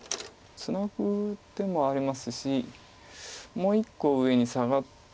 ツナぐ手もありますしもう１個上にサガって。